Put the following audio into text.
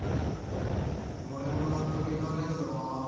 俺も納得いかねえぞ。